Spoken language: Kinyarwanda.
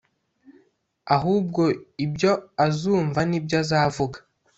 ahubwo ibyo azumva, ni byo azavuga: